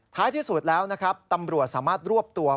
ที่สุดแล้วนะครับตำรวจสามารถรวบตัว